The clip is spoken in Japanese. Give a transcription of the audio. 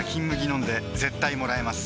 飲んで絶対もらえます